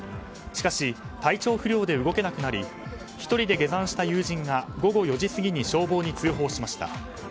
しかし、体調不良で動けなくなり１人で下山した友人が午後４時過ぎに消防に通報しました。